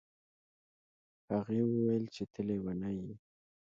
هغې وویل چې ته لیونی یې.